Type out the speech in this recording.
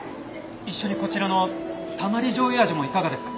一緒にこちらのたまり醤油味もいかがですか？